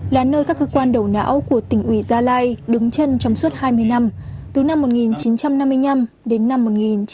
là nơi các cơ quan đầu não của tỉnh ủy gia lai đứng chân trong suốt hai mươi năm từ năm một nghìn chín trăm năm mươi năm đến năm một nghìn chín trăm bảy mươi